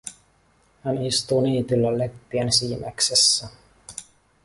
Hän istuu niityllä leppien siimeksessä.